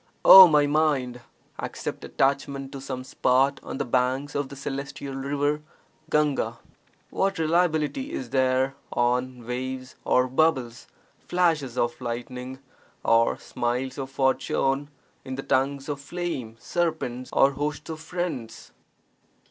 Oh my mind, accept attachment to some spot on the banks of the celestial river (Gahga). What reliability is there on waves or bubbles, flashes of lightning or (smiles of) fortune, in tongues of flame, serpents, or hosts of friends?